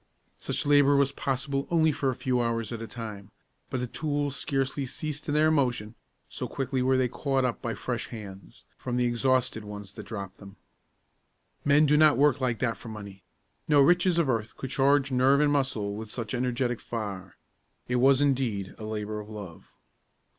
Such labor was possible only for a few hours at a time, but the tools scarcely ceased in their motion, so quickly were they caught up by fresh hands, from the exhausted ones that dropped them. Men do not work like that for money. No riches of earth could charge nerve and muscle with such energetic fire. It was, indeed, a labor of love.